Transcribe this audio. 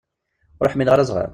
Ur ḥmileɣ ara azɣal.